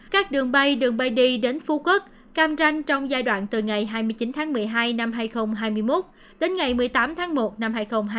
các đường bay đường bay đi đến phú quốc cam ranh trong giai đoạn từ ngày hai mươi chín tháng một mươi hai năm hai nghìn hai mươi một đến ngày một mươi tám tháng một năm hai nghìn hai mươi